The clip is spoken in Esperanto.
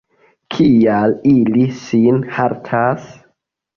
Kial ili sin haltas?